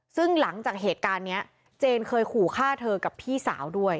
ซึ่งหลังจากเหตุการณ์นี้เจนเคยขู่ฆ่าเธอกับพี่สาวด้วย